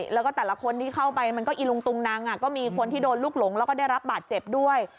แล้วก็แต่ละคนที่เข้าไปมันก็อีลุงตุงนังก็มีคนที่โดนลูกหลงแล้วก็ได้รับบาดเจ็บด้วย